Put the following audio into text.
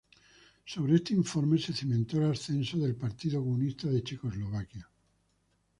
Sobre este informe se cimentó el ascenso del Partido Comunista de Checoslovaquia.